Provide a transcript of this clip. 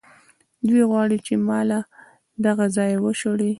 دوی غواړي چې ما له دغه ځایه وشړي.